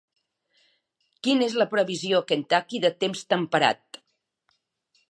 Quin és la previsió a Kentucky de temps temperat